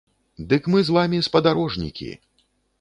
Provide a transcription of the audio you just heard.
Дык мы з вамі спадарожнікі!